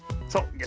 そう。